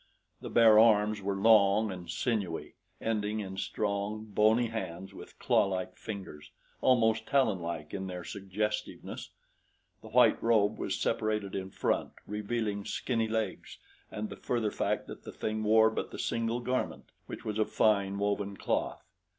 The bare arms were long and sinewy, ending in strong, bony hands with clawlike fingers almost talonlike in their suggestiveness. The white robe was separated in front, revealing skinny legs and the further fact that the thing wore but the single garment, which was of fine, woven cloth.